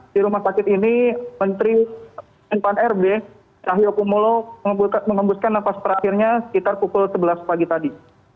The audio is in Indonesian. di rumah sakit ini menteri pan rb cahyokumolo mengembuskan nafas terakhirnya sekitar pukul sebelas pagi tadi